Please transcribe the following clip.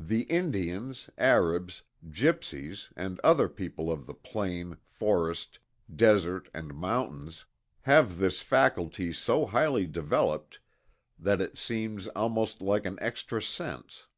The Indians, Arabs, Gypsies and other people of the plain, forest, desert, and mountains, have this faculty so highly developed that it seems almost like an extra sense.